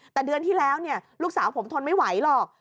แต่เดือนที่แล้วลูกสาวผมทนไม่ไหวหรอก